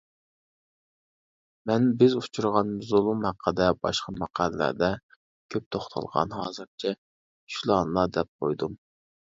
مەن بىز ئۇچرىغان زۇلۇم ھەققىدە باشقا ماقالىلەردە كۆپ توختالغان، ھازىرچە شۇلارنىلا دەپ قويدۇم.